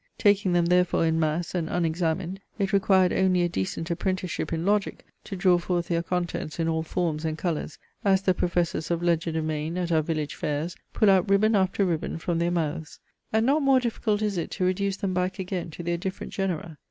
Taking them therefore in mass, and unexamined, it required only a decent apprenticeship in logic, to draw forth their contents in all forms and colours, as the professors of legerdemain at our village fairs pull out ribbon after ribbon from their mouths. And not more difficult is it to reduce them back again to their different genera.